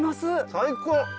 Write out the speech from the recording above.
最高！